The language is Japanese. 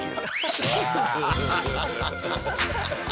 ハハハハッ！